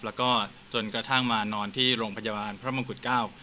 แล้วก็จนกระทั่งมานอนที่โรงพยาบาลพระมงกุฎเก้า